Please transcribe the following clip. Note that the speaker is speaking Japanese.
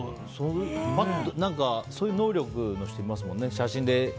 そういう能力の人いますもんね。